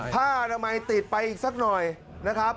ผ้าอนามัยติดไปอีกสักหน่อยนะครับ